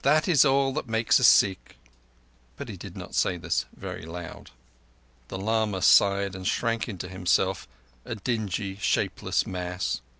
"That is all that makes a Sikh." But he did not say this very loud. The lama sighed and shrank into himself, a dingy, shapeless mass.